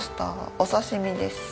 お刺し身です。